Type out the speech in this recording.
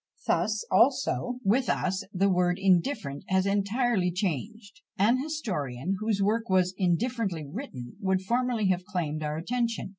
Thus also with us the word indifferent has entirely changed: an historian, whose work was indifferently written, would formerly have claimed our attention.